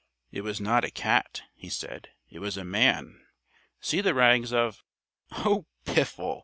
"It was not a cat," he said. "It was a man. See the rags of " "Oh, piffle!"